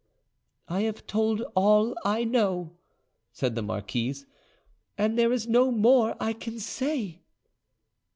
"I have told all I know," said the marquise, "and there is no more I can say."